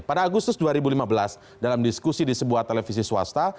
pada agustus dua ribu lima belas dalam diskusi di sebuah televisi swasta